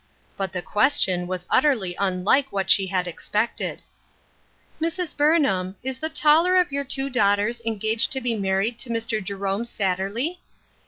But the question was utterly unlike what she had expected. " Mrs. Burnham, is the taller of your two daughters engaged to be married to Mr. Jerome Sattcrley